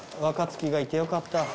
若槻がいてよかった。